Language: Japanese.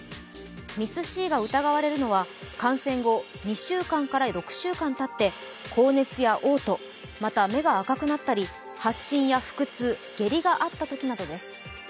ＭＩＳ−Ｃが疑われるのは、感染後２週間から６週間たって高熱やおう吐、また目が赤くなったり発疹や腹痛、下痢があったときなどです。